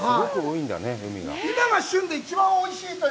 今が旬で、一番おいしいと。